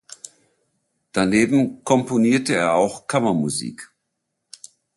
Daneben komponierte er auch Kammermusik.